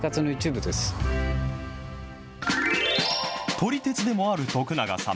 撮り鉄でもある徳永さん。